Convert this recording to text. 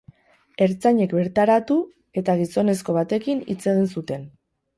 Ertzainek bertaratu eta gizonezko batekin hitz egin zuten.